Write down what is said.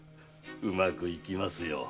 うまくいきますよ。